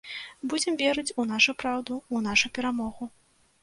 Будзем верыць у нашу праўду, у нашу перамогу.